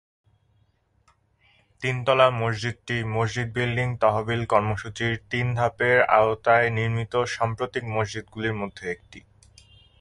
তিন তলা মসজিদটি মসজিদ বিল্ডিং তহবিল কর্মসূচির তিন ধাপের আওতায় নির্মিত সাম্প্রতিক মসজিদগুলির মধ্যে একটি।